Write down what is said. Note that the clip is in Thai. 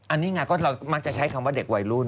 อันนี้ไงก็เรามักจะใช้คำว่าเด็กวัยรุ่น